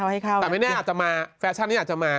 แต่ไม่แน่อาจจะมาแฟชั่นนี้อาจจะมา